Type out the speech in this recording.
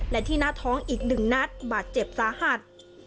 และที่หน้าท้องอีก๑นัดบาดเจ็บสาหัส